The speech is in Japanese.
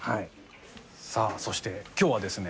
さあそして今日はですね